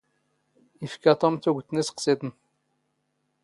ⵉⴼⴽⴰ ⵟⵓⵎ ⵜⵓⴳⵜ ⵏ ⵉⵙⵇⵙⵉⵜⵏ.